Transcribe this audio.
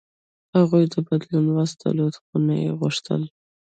هغوی د بدلون وس درلود، خو نه یې غوښتل.